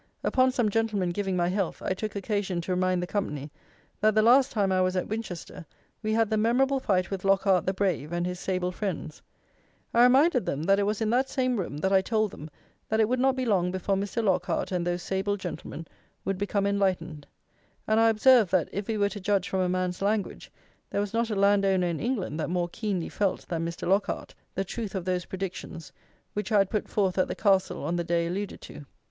Upon some Gentleman giving my health, I took occasion to remind the company that the last time I was at Winchester we had the memorable fight with Lockhart "the Brave" and his sable friends. I reminded them that it was in that same room that I told them that it would not be long before Mr. Lockhart and those sable gentlemen would become enlightened; and I observed that, if we were to judge from a man's language, there was not a land owner in England that more keenly felt than Mr. Lockhart the truth of those predictions which I had put forth at the Castle on the day alluded to.